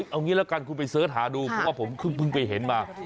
เอางี้ละกันคุณไปเสิร์ชหาดูเพราะว่าผมเพิ่งไปเห็นมา